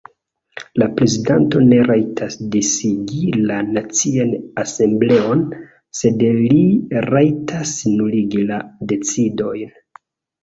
La prezidanto ne rajtas disigi la Nacian Asembleon, sed li rajtas nuligi la decidojn.